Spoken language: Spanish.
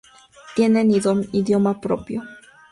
Tienen idioma propio.